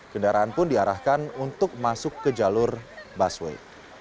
kendaraan pun diarahkan untuk masuk ke jalur busway